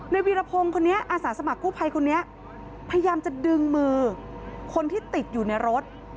วีรพงศ์คนนี้อาสาสมัครกู้ภัยคนนี้พยายามจะดึงมือคนที่ติดอยู่ในรถ